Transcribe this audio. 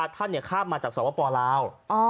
ท่านเนี่ยข้ามมาจากสวพปลาว